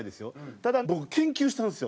ただ僕研究したんですよ。